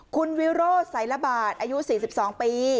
คุณวิโรธไซรบาทอายุ๔๒ปี